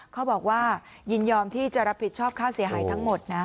เขาบอกว่ายินยอมที่จะรับผิดชอบค่าเสียหายทั้งหมดนะ